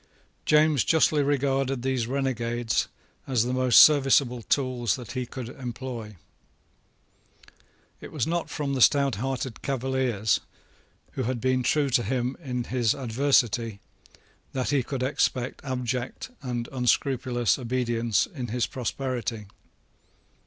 James justly regarded these renegades as the most serviceable tools that he could employ. It was not from the stouthearted Cavaliers, who had been true to him in his adversity, that he could expect abject and unscrupulous obedience in his prosperity.